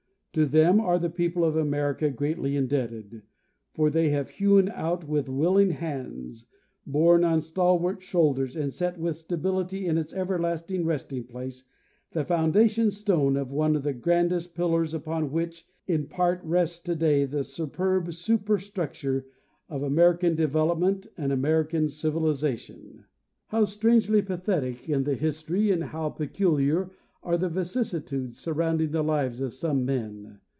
To them are the people of America greatly indebted, for they have hewn out with willing hands, borne on stalwart shoulders, and set with stability in its everlasting resting place, the foundation stone of one of the grandest pillars upon which in part rests today the superb superstructure of American development and American civilization. How strangely pathetic is the history and how peculiar are the vicissitudes surrounding the lives of some men!